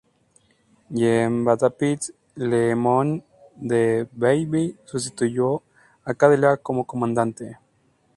Jean-Baptiste Le Moyne de Bienville sustituyó a Cadillac como comandante.